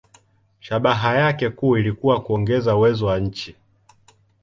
Shabaha yake kuu ilikuwa kuongeza uwezo wa nchi.